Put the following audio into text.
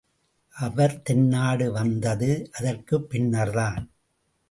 அவர் தென்னாடு வந்தது அதற்குப் பின்னர்தான்.